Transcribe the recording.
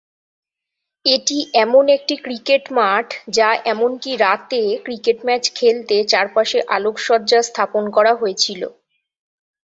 এটি এমন একটি ক্রিকেট মাঠ যা এমনকি রাতে ক্রিকেট ম্যাচ খেলতে চারপাশে আলোকসজ্জা স্থাপন করা হয়েছিল।